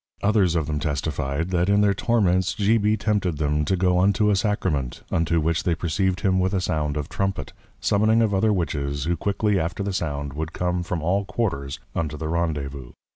Others of them testified, That in their Torments, G. B. tempted them to go unto a Sacrament, unto which they perceived him with a Sound of Trumpet, Summoning of other Witches, who quickly after the Sound, would come from all Quarters unto the Rendezvouz.